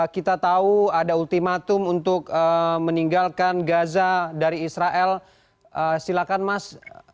kita tahu ada ultimatum untuk meninggalkan gaza dari israel silakan mas